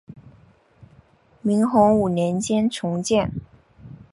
明洪武年间重建。